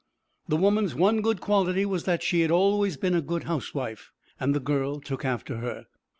The woman's one good quality was that she had always been a good housewife, and the girl took after her.